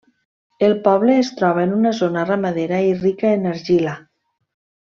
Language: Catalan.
El poble es troba en una zona ramadera i rica en argila.